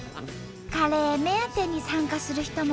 カレー目当てに参加する人もいるんだって。